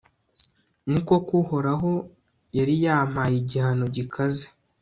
ni koko uhoraho yari yampaye igihano gikaze